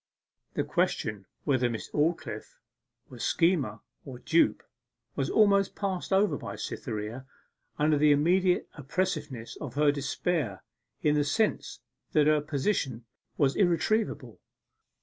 The question whether Miss Aldclyffe were schemer or dupe was almost passed over by Cytherea, under the immediate oppressiveness of her despair in the sense that her position was irretrievable.